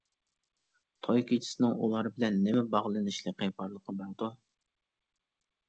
توي كېچىسىنىڭ ئۇلار بىلەن نېمە باغلىنىشلىقى بارلىقى باردۇ.